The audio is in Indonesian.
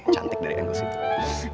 cantik dari angle situ